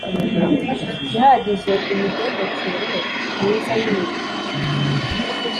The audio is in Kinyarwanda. Ihagije imigendekere myiza y imirimo